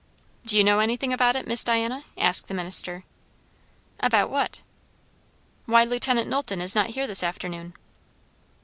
"Do you know anything about it, Miss Diana?" asked the minister. "About what?" "Why Lieutenant Knowlton is not here this afternoon?"